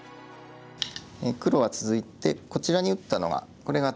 黒は続いてこちらに打ったのがこれが分断の手筋で。